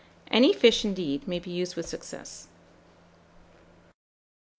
Any fish, indeed, may be used with success.